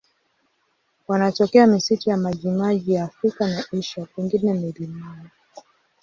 Wanatokea misitu ya majimaji ya Afrika na Asia, pengine milimani.